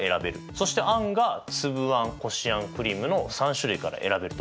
そして餡がつぶあんこしあんクリームの３種類から選べると。